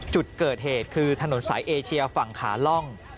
จุดเกิดเหตุคือถนนสายเอเชียฝั่งขาล่อง